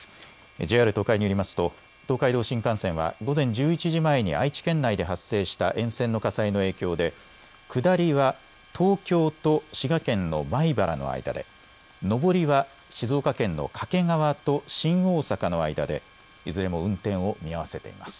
ＪＲ東海によりますと東海道新幹線は午前１１時前に愛知県内で発生した沿線の火災の影響で下りは東京と滋賀県の米原の間で、上りは静岡県の掛川と新大阪の間でいずれも運転を見合わせています。